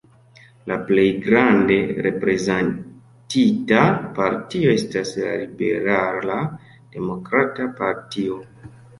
La plej grande reprezentita partio estas la Liberala Demokrata Partio.